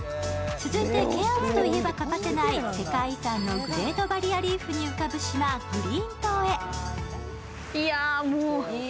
続いて、ケアンズといえば欠かせない世界遺産のグレートバリアリーフに浮かぶ島、グリーン島へ。